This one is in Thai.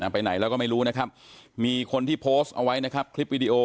ไปไหนแล้วก็ไม่รู้นะครับมีคนที่โพสต์เอาไว้นะครับคลิปวิดีโอ